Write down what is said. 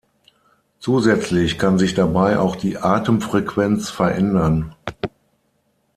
Zusätzlich kann sich dabei auch die Atemfrequenz verändern.